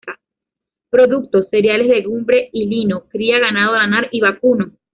Productos: cereales, legumbre y lino; cría ganado lanar y vacuno.